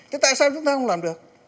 thì tại sao chúng ta không làm được